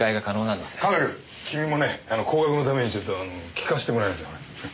神戸くん君もね後学のためにちょっと聞かせてもらいなさい。